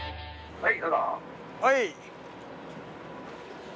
はい！